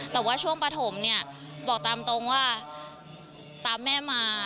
แต่ว่าช่วงปฐมเนี่ยบอกตามตรงว่าตามแม่มา